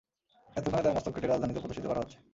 এতক্ষনে তার মস্তক কেটে রাজধানীতে প্রদর্শিত করা হচ্ছে!